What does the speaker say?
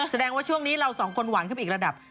แปลว่าช่วงนี้เราสองคนหวานทำเป็นอีกระดับ